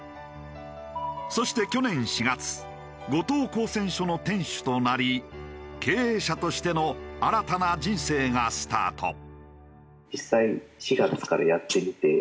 そして去年４月後藤鉱泉所の店主となり経営者としての新たな人生がスタート。